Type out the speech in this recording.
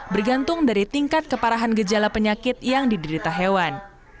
bergantung dari tingkat keparahan gejala penyakit yang diderita hewan